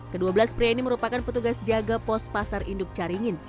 kedua belas pria ini merupakan petugas jaga pos pasar induk caringin